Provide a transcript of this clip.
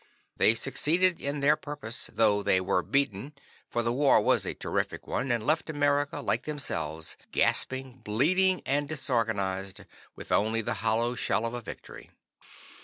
They succeeded in their purpose, though they were beaten, for the war was a terrific one, and left America, like themselves, gasping, bleeding and disorganized, with only the hollow shell of a victory.